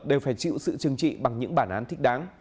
đều phải chịu sự chừng trị bằng những bản án thích đáng